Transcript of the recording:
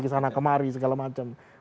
ke sana kemari segala macam